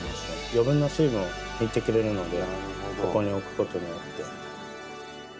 余分な水分を抜いてくれるのでここに置くことによって。